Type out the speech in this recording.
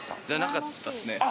じゃなかったっすね。